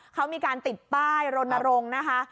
เขามีการติดป้ายรณรงค์นะคะ